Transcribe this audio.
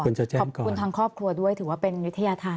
ขอบคุณทางครอบครัวด้วยถือว่าเป็นวิทยาธาร